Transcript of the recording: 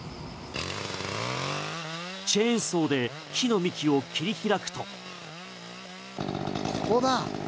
チェーンソーで木の幹を切り開くと。